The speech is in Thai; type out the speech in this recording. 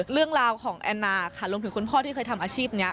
เรื่องราวของแอนนาค่ะรวมถึงคุณพ่อที่เคยทำอาชีพนี้